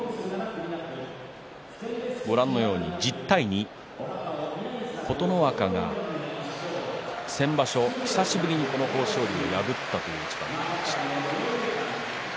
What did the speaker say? １０対２、琴ノ若が先場所、久しぶりにこの豊昇龍を破ったという一番がありました。